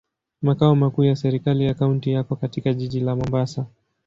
Makao makuu ya serikali ya kaunti yako katika jiji la Mombasa.